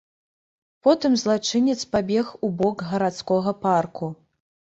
Потым злачынец пабег у бок гарадскога парку.